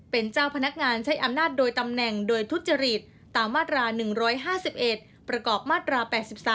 เป็นเจ้าพนักงานใช้อำนาจโดยตำแหน่งโดยทุจริตตามมาตรา๑๕๑ประกอบมาตรา๘๓